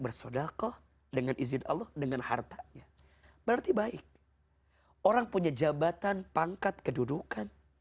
bersodakoh dengan izin allah dengan hartanya berarti baik orang punya jabatan pangkat kedudukan